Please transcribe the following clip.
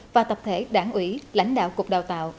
và tập thể đảng ủy lãnh đạo cục đào tạo